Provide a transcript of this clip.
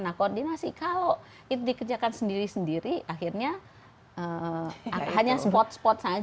nah koordinasi kalau itu dikerjakan sendiri sendiri akhirnya hanya spot spot saja